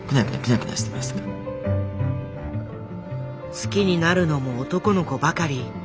好きになるのも男の子ばかり。